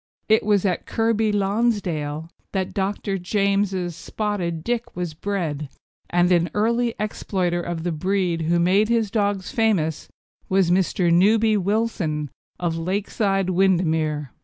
It was at Kirkby Lonsdale that Dr. James's Spotted Dick was bred, and an early exploiter of the breed who made his dogs famous was Mr. Newby Wilson, of Lakeside, Windermere.